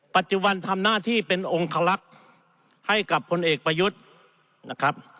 ปัจจุบันทำหน้าที่เป็นองคลักษณ์ให้กับพลเอกประยุทธ์นะครับ